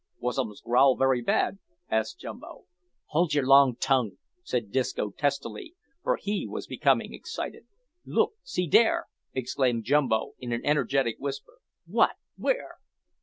"Was um's growl very bad?" asked Jumbo. "Hold yer long tongue!" said Disco testily, for he was becoming excited. "Look! see dere!" exclaimed Jumbo in an energetic whisper. "What? where?"